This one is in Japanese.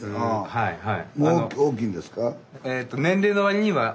はいはい。